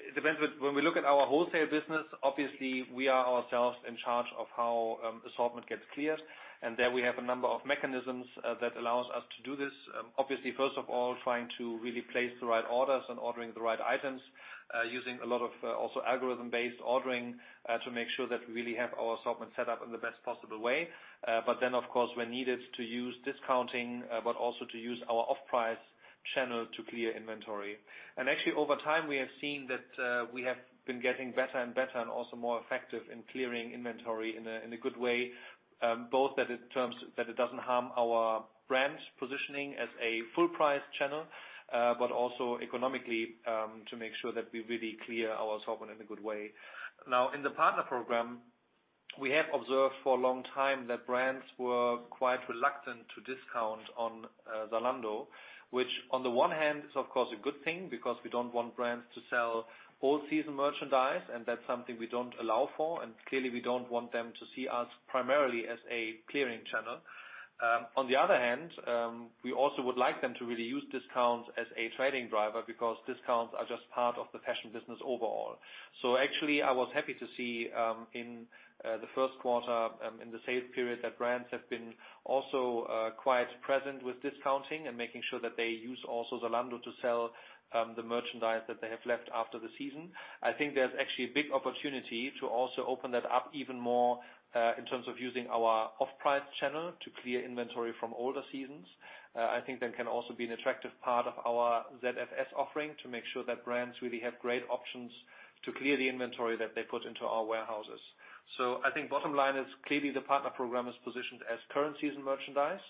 It depends. When we look at our wholesale business, obviously we are ourselves in charge of how assortment gets cleared, and there we have a number of mechanisms that allows us to do this. Obviously, first of all, trying to really place the right orders and ordering the right items, using a lot of also algorithm-based ordering to make sure that we really have our assortment set up in the best possible way. Then, of course, we're needed to use discounting, but also to use our off-price channel to clear inventory. Actually, over time, we have seen that we have been getting better and better and also more effective in clearing inventory in a good way. Both that it doesn't harm our brand's positioning as a full-price channel, but also economically, to make sure that we really clear our assortment in a good way. In the partner program, we have observed for a long time that brands were quite reluctant to discount on Zalando. Which on the one hand is, of course, a good thing because we don't want brands to sell all-season merchandise, and that's something we don't allow for. Clearly, we don't want them to see us primarily as a clearing channel. On the other hand, we also would like them to really use discounts as a trading driver because discounts are just part of the fashion business overall. Actually, I was happy to see in the first quarter, in the sales period, that brands have been also quite present with discounting and making sure that they use also Zalando to sell the merchandise that they have left after the season. I think there's actually a big opportunity to also open that up even more, in terms of using our off-price channel to clear inventory from older seasons. I think that can also be an attractive part of our ZFS offering to make sure that brands really have great options to clear the inventory that they put into our warehouses. I think bottom line is clearly the partner program is positioned as current season merchandise.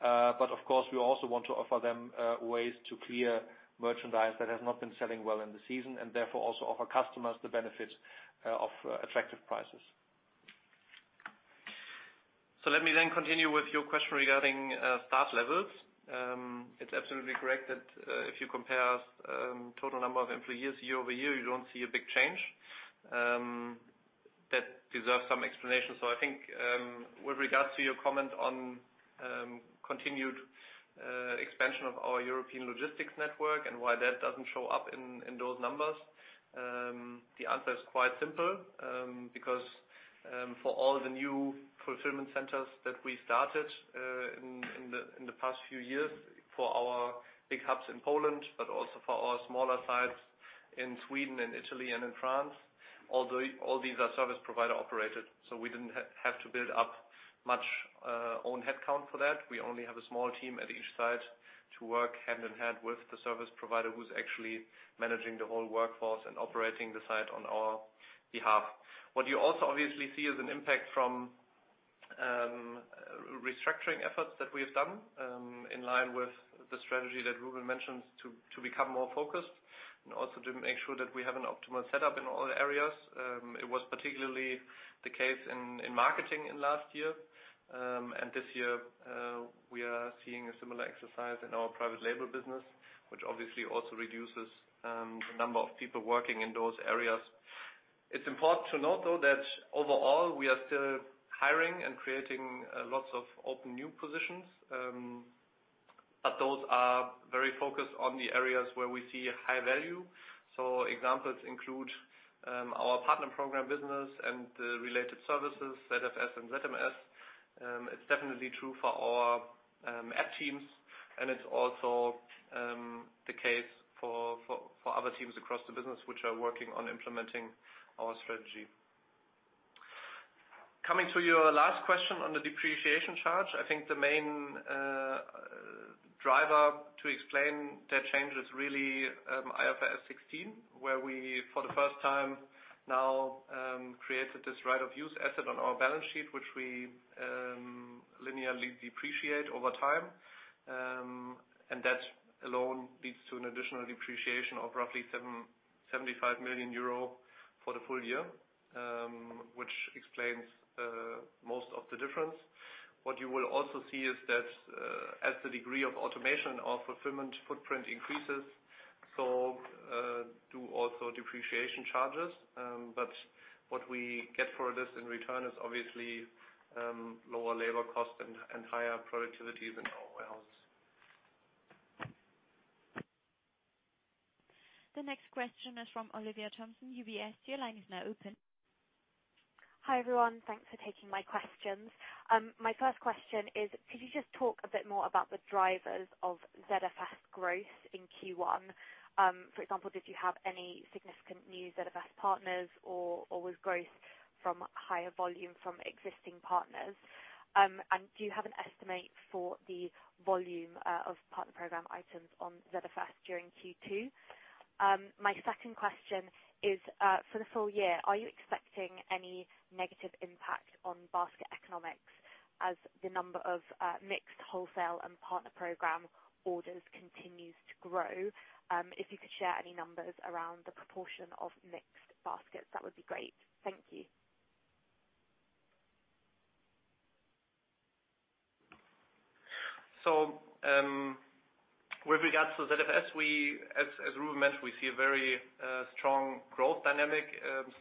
Of course, we also want to offer them ways to clear merchandise that has not been selling well in the season and therefore also offer customers the benefit of attractive prices. Let me then continue with your question regarding staff levels. It's absolutely correct that if you compare total number of employees year-over-year, you don't see a big change. That deserves some explanation. I think with regards to your comment on continued expansion of our European logistics network and why that doesn't show up in those numbers. The answer is quite simple. For all the new fulfillment centers that we started in the past few years for our big hubs in Poland, but also for our smaller sites in Sweden and Italy and in France, all these are service provider operated. We didn't have to build up much own headcount for that. We only have a small team at each site to work hand in hand with the service provider who's actually managing the whole workforce and operating the site on our behalf. What you also obviously see is an impact from restructuring efforts that we have done in line with the strategy that Rubin mentioned to become more focused and also to make sure that we have an optimal setup in all areas. It was particularly the case in marketing in last year. This year we are seeing a similar exercise in our private label business, which obviously also reduces the number of people working in those areas. It's important to note, though, that overall we are still hiring and creating lots of open new positions. Those are very focused on the areas where we see high value. Examples include our partner program business and the related services, ZFS and ZMS. It's definitely true for our app teams, and it's also the case for other teams across the business which are working on implementing our strategy. Coming to your last question on the depreciation charge, I think the main driver to explain that change is really IFRS 16, where we, for the first time now, created this right of use asset on our balance sheet, which we linearly depreciate over time. That alone leads to an additional depreciation of roughly 75 million euro for the full year, which explains most of the difference. As the degree of automation of fulfillment footprint increases, so do also depreciation charges. What we get for this in return is obviously lower labor cost and higher productivity in our warehouse. The next question is from Olivia Thompson, UBS. Your line is now open. Hi, everyone. Thanks for taking my questions. My first question is, could you just talk a bit more about the drivers of ZFS growth in Q1? For example, did you have any significant new ZFS partners or was growth from higher volume from existing partners? Do you have an estimate for the volume of partner program items on ZFS during Q2? My second question is, for the full year, are you expecting any negative impact on basket economics as the number of mixed wholesale and partner program orders continues to grow? If you could share any numbers around the proportion of mixed baskets, that would be great. Thank you. With regards to ZFS, as Rubin mentioned, we see a very strong growth dynamic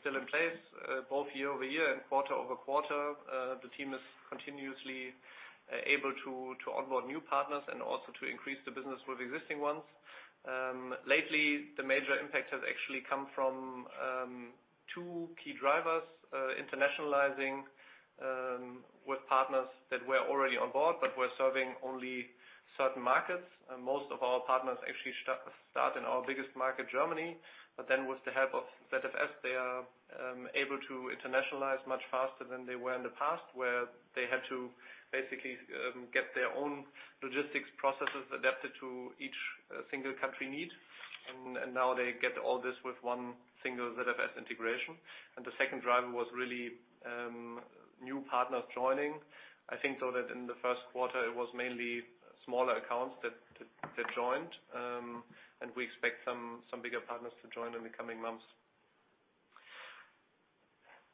still in place both year-over-year and quarter-over-quarter. The team is continuously able to onboard new partners and also to increase the business with existing ones. Lately, the major impact has actually come from two key drivers, internationalizing with partners that were already on board, but were serving only certain markets. Most of our partners actually start in our biggest market, Germany. Then with the help of ZFS, they are able to internationalize much faster than they were in the past, where they had to basically get their own logistics processes adapted to each single country need. Now they get all this with one single ZFS integration. The second driver was really new partners joining. I think though that in the first quarter it was mainly smaller accounts that joined. We expect some bigger partners to join in the coming months.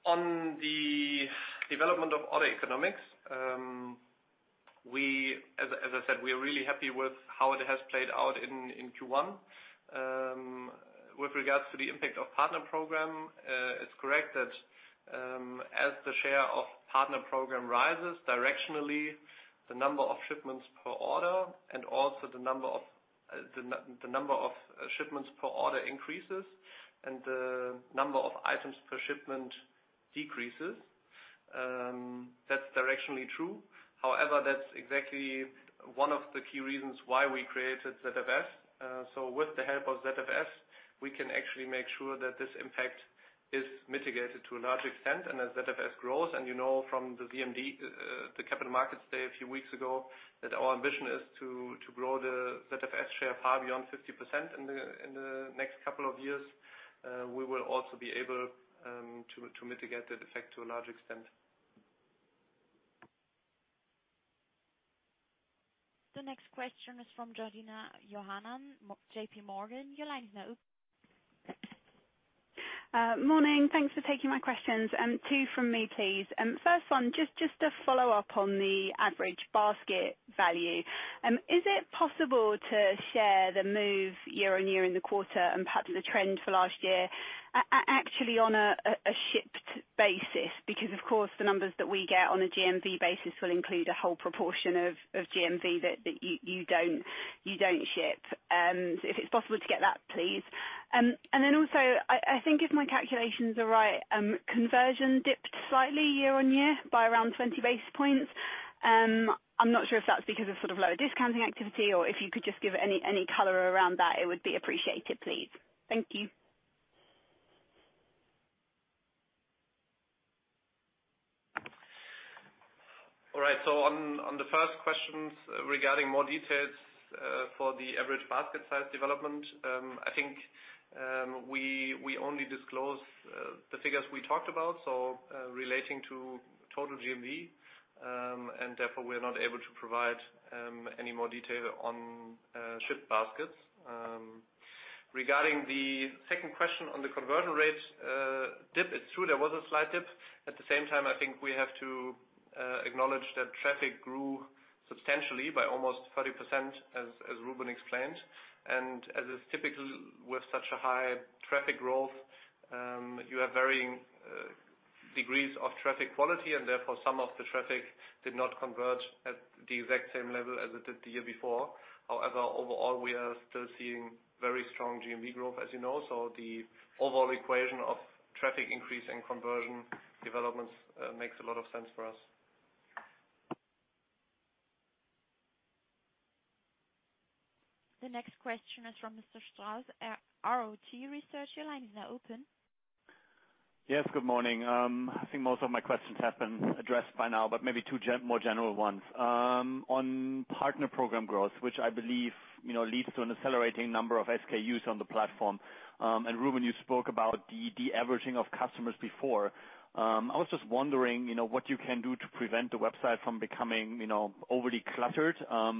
On the development of order economics, as I said, we are really happy with how it has played out in Q1. With regards to the impact of partner program, it's correct that as the share of partner program rises, directionally, the number of shipments per order increases and the number of items per shipment decreases. That's directionally true. However, that's exactly one of the key reasons why we created ZFS. With the help of ZFS, we can actually make sure that this impact is mitigated to a large extent. As ZFS grows, and you know from the CMD, the Capital Markets Day a few weeks ago, that our ambition is to grow the ZFS share far beyond 50% in the next couple of years. We will also be able to mitigate that effect to a large extent. The next question is from Georgina Johanan, JPMorgan, your line is now open. Morning. Thanks for taking my questions. Two from me, please. First one, just to follow up on the average basket value. Is it possible to share the move year-on-year in the quarter and perhaps the trend for last year, actually on a shipped basis? Because of course, the numbers that we get on a GMV basis will include a whole proportion of GMV that you don't ship. If it's possible to get that, please. Also, I think if my calculations are right, conversion dipped slightly year-on-year by around 20 basis points. I'm not sure if that's because of sort of lower discounting activity, or if you could just give any color around that, it would be appreciated, please. Thank you. On the first questions regarding more details for the average basket size development, I think, we only disclose the figures we talked about, relating to total GMV, and therefore we're not able to provide any more detail on shipped baskets. Regarding the second question on the conversion rate dip, it's true there was a slight dip. At the same time, I think we have to acknowledge that traffic grew substantially by almost 30%, as Rubin explained. As is typical with such a high traffic growth, you have varying degrees of traffic quality, and therefore some of the traffic did not converge at the exact same level as it did the year before. However, overall, we are still seeing very strong GMV growth, as you know. The overall equation of traffic increase and conversion developments makes a lot of sense for us. The next question is from Mr. Strauss at Arete Research. Your line is now open. Yes, good morning. I think most of my questions have been addressed by now, but maybe two more general ones. On partner program growth, which I believe leads to an accelerating number of SKUs on the platform. Rubin, you spoke about de-averaging of customers before. I was just wondering what you can do to prevent the website from becoming overly cluttered. How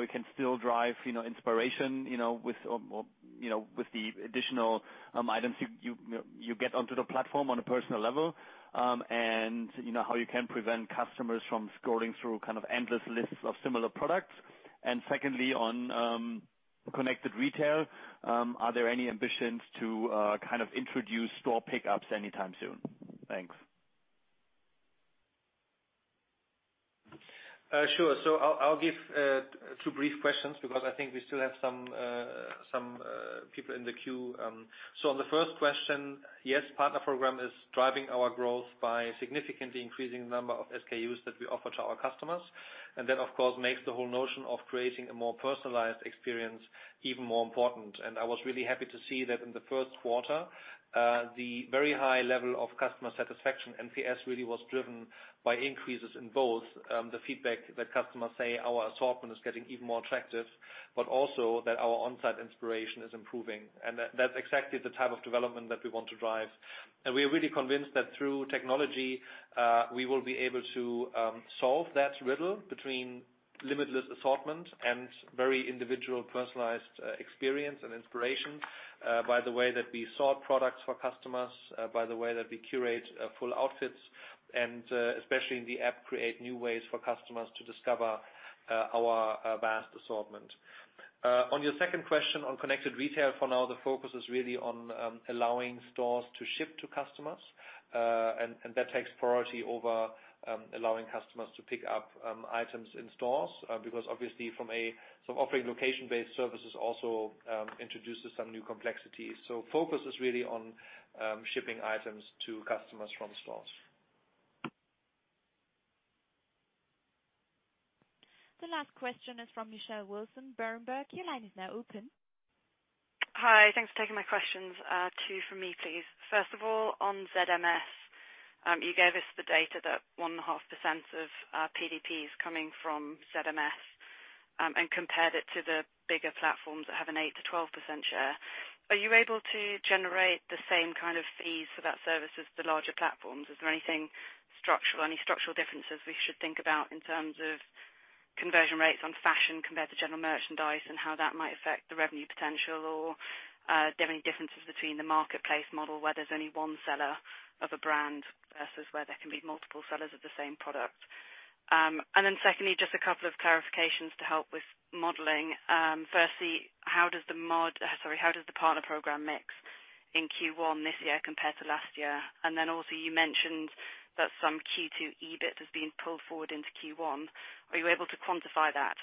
you can still drive inspiration with the additional items you get onto the platform on a personal level. How you can prevent customers from scrolling through kind of endless lists of similar products. Secondly, on Connected Retail, are there any ambitions to introduce store pickups anytime soon? Thanks. Sure. I'll give two brief questions because I think we still have some people in the queue. On the first question, yes, partner program is driving our growth by significantly increasing the number of SKUs that we offer to our customers. That, of course, makes the whole notion of creating a more personalized experience even more important. I was really happy to see that in the first quarter, the very high level of customer satisfaction, NPS, really was driven by increases in both the feedback that customers say our assortment is getting even more attractive, but also that our on-site inspiration is improving. That's exactly the type of development that we want to drive. We are really convinced that through technology, we will be able to solve that riddle between limitless assortment and very individual personalized experience and inspiration, by the way that we sort products for customers, by the way that we curate full outfits, and especially in the app, create new ways for customers to discover our vast assortment. On your second question on Connected Retail, for now, the focus is really on allowing stores to ship to customers. That takes priority over allowing customers to pick up items in stores, because obviously from offering location-based services also introduces some new complexities. Focus is really on shipping items to customers from stores. The last question is from Michelle Wilson, Berenberg. Your line is now open. Hi. Thanks for taking my questions. Two from me, please. First of all, on ZMS, you gave us the data that 1.5% of PDPs coming from ZMS, and compared it to the bigger platforms that have an 8%-12% share. Are you able to generate the same kind of fees for that service as the larger platforms? Is there anything structural, any structural differences we should think about in terms of conversion rates on fashion compared to general merchandise and how that might affect the revenue potential? Are there any differences between the marketplace model where there's only one seller of a brand versus where there can be multiple sellers of the same product? Secondly, just a couple of clarifications to help with modeling. Firstly, how does the How does the partner program mix in Q1 this year compared to last year? You mentioned that some Q2 EBIT has been pulled forward into Q1. Are you able to quantify that?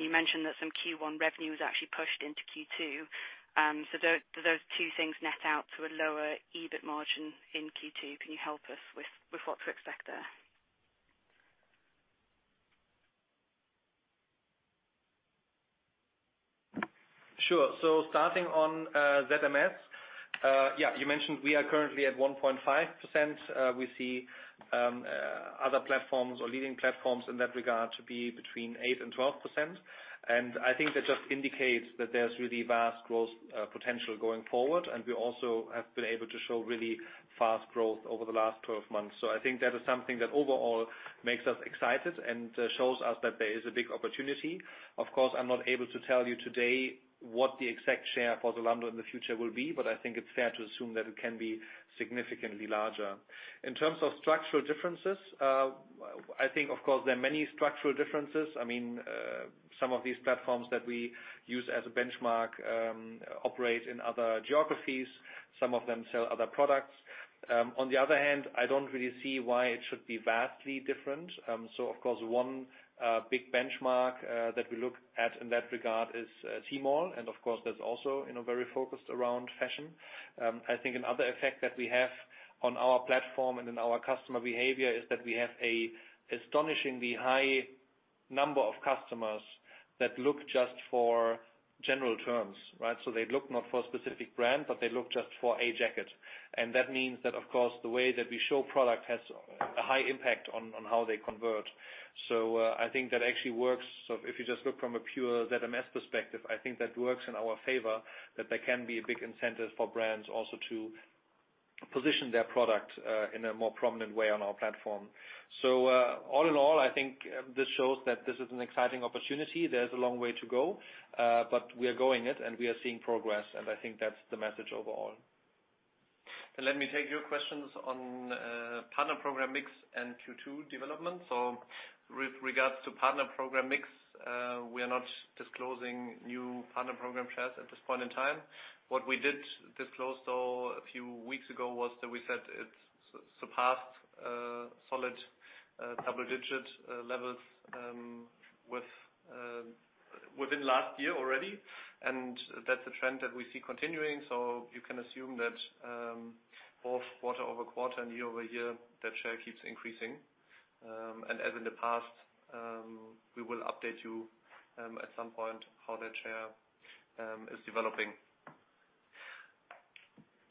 You mentioned that some Q1 revenue was actually pushed into Q2. Do those two things net out to a lower EBIT margin in Q2? Can you help us with what to expect there? Sure. Starting on ZMS. You mentioned we are currently at 1.5%. We see other platforms or leading platforms in that regard to be between 8% and 12%. I think that just indicates that there's really vast growth potential going forward. We also have been able to show really fast growth over the last 12 months. I think that is something that overall makes us excited and shows us that there is a big opportunity. Of course, I'm not able to tell you today what the exact share for Zalando in the future will be, but I think it's fair to assume that it can be significantly larger. In terms of structural differences, I think, of course, there are many structural differences. Some of these platforms that we use as a benchmark operate in other geographies. Some of them sell other products. On the other hand, I don't really see why it should be vastly different. Of course, one big benchmark that we look at in that regard is Tmall, and of course, that's also very focused around fashion. I think another effect that we have on our platform and in our customer behavior is that we have astonishingly high number of customers that look just for general terms, right? They look not for a specific brand, but they look just for a jacket. That means that, of course, the way that we show product has a high impact on how they convert. I think that actually works. If you just look from a pure ZMS perspective, I think that works in our favor, that there can be a big incentive for brands also to position their product in a more prominent way on our platform. All in all, I think this shows that this is an exciting opportunity. There's a long way to go, but we are going it and we are seeing progress, and I think that's the message overall. Let me take your questions on partner program mix and Q2 development. With regards to partner program mix, we are not disclosing new partner program shares at this point in time. What we did disclose, though, a few weeks ago, was that we said it surpassed solid double-digit levels within last year already, and that's a trend that we see continuing. You can assume that both quarter-over-quarter and year-over-year, that share keeps increasing. As in the past, we will update you at some point how that share is developing.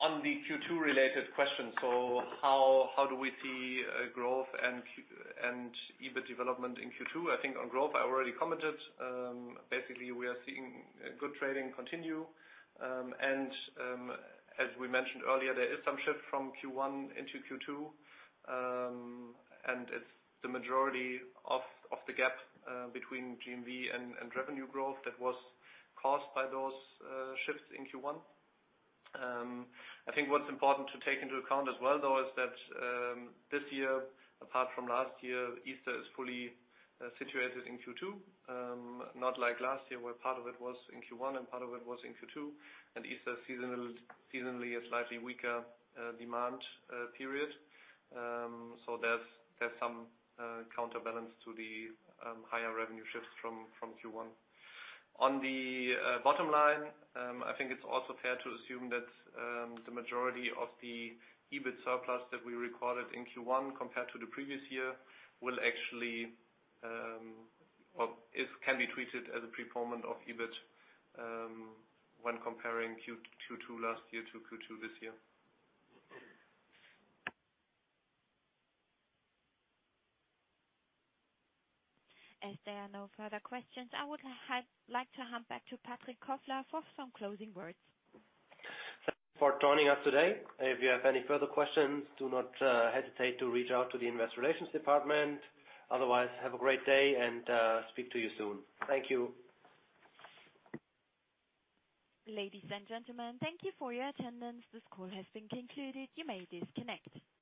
On the Q2 related question, how do we see growth and EBIT development in Q2? On growth, I already commented. We are seeing good trading continue. As we mentioned earlier, there is some shift from Q1 into Q2. It's the majority of the gap between GMV and revenue growth that was caused by those shifts in Q1. What's important to take into account as well, though, is that this year, apart from last year, Easter is fully situated in Q2. Not like last year, where part of it was in Q1 and part of it was in Q2. Easter seasonally is slightly weaker demand period. There's some counterbalance to the higher revenue shifts from Q1. On the bottom line, it's also fair to assume that the majority of the EBIT surplus that we recorded in Q1 compared to the previous year can be treated as a pro forma of EBIT when comparing Q2 last year to Q2 this year. As there are no further questions, I would like to hand back to Patrick Kofler for some closing words. Thank you for joining us today. If you have any further questions, do not hesitate to reach out to the investor relations department. Otherwise, have a great day and speak to you soon. Thank you. Ladies and gentlemen, thank you for your attendance. This call has been concluded. You may disconnect.